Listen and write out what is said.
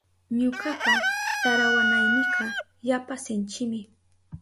Ñukapa tarawanaynika yapa sinchimi.